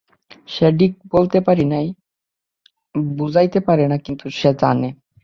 সে ঠিক বলিতে পারে না, বুঝাইতে পারে না, কিন্তু সে জানে।